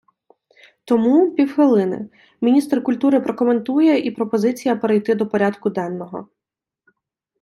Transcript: Тому, півхвилини, міністр культури прокоментує і пропозиція перейти до порядку денного.